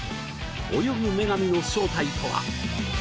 泳ぐ女神の正体とは？